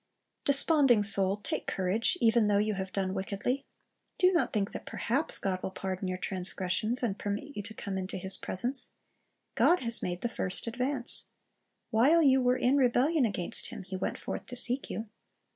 Desponding soul, take courage, even though you have done wickedly. Do not think that perhaps God will pardon '■'This Mail Rcceivcth Sinners" 189 your transgressions, and permit you to come into His presence. God has made the first advance. While you were in rebelHon against Him, He went forth to seek you.